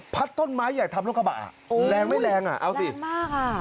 พัดต้นไม้อยากทำรถกระบะโอ้ยแรงไม่แรงอ่ะเอาสิแรงมากอ่ะ